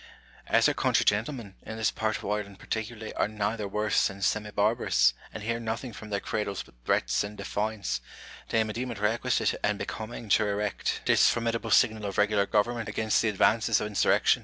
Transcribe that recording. As our country gentlemen, in this part of Ireland particularly, are rather worse than semi barbarous, and hear nothing from their cradles but threats and defiance, they may deem it requisite and becoming to erect I20 IMAGINARY CONVERSATIONS. this formidable signal of regular government against the advances of insurrection.